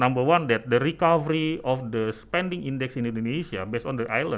nomor satu penyelamatkan indeks penggunaan di indonesia berdasarkan pulau